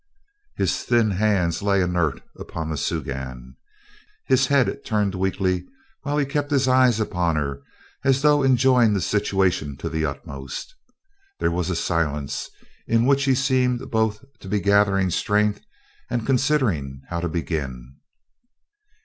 His thin hands lay inert upon the soogan. His head turned weakly while he kept his eyes upon her as though enjoying the situation to the utmost. There was a silence in which he seemed both to be gathering strength and considering how to begin.